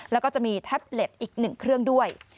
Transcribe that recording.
แล้วก็จะมีแท็บเล็ตอีก๑เครื่องด้วย